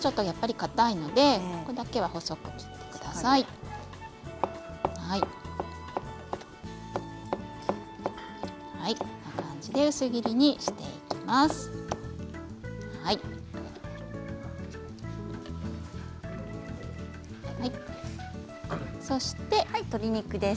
こんな感じで薄切りにしていきます。